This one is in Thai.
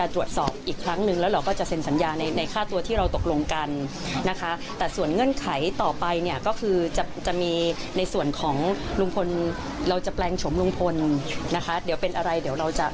ก็เพราะลุงพลมีกระแสและก็เป็นที่นิยมและเป็นที่รู้จัก